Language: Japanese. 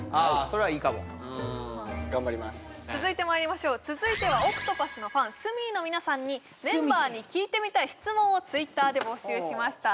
それはいいかも続いてまいりましょう続いてはＯＣＴＰＡＴＨのファンＴＨｍｅの皆さんにメンバーに聞いてみたい質問をＴｗｉｔｔｅｒで募集しました